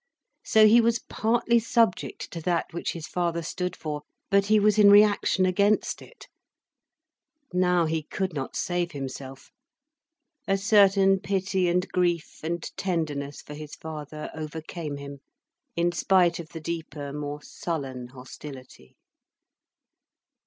So he was partly subject to that which his father stood for, but he was in reaction against it. Now he could not save himself. A certain pity and grief and tenderness for his father overcame him, in spite of the deeper, more sullen hostility.